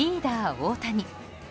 大谷。